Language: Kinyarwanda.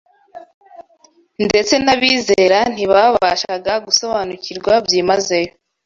Ndetse n’abizera ntibabashaga gusobanukirwa byimazeyo